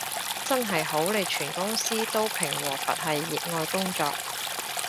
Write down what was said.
真係好，你全公司都平和佛系熱愛工作